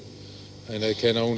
dan saya hanya bisa mengakui